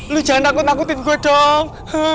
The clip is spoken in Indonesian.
lu jangan takut takutin gue dong